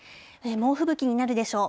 猛吹雪になるでしょう。